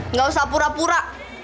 nggak usah pura pura